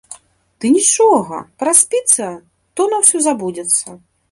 Ды нічога, праспіцца, то на ўсё забудзецца.